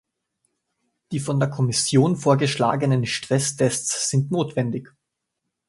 Die von der Kommission vorgeschlagenen Stresstests sind notwendig.